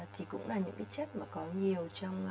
thì cũng là những cái chất mà có nhiều trong